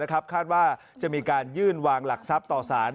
คาดว่าจะมีการยื่นวางหลักทรัพย์ต่อสาร